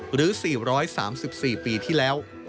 หรือ๔๓๔ปีที่แล้ว